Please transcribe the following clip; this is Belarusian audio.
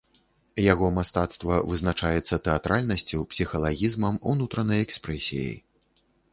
Яго мастацтва вызначаецца тэатральнасцю, псіхалагізмам, унутранай экспрэсіяй.